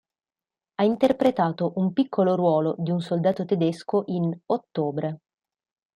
Ha interpretato un piccolo ruolo di un soldato tedesco in "Ottobre".